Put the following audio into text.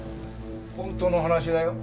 本当の話だよ。